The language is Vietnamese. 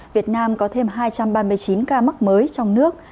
việt nam có thêm hai trăm ba mươi chín ca mắc mới trong nước